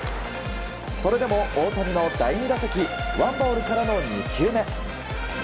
それでも大谷の第２打席ワンボールからの２球目。